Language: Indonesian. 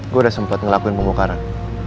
gue udah sempet ngelakuin pembukaran